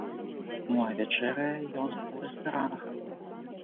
Ну а вячэрае ён у рэстаранах.